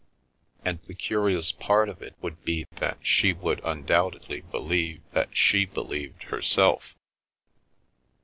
" And the curious part of it would be that she would un doubtedly believe that she believed herself.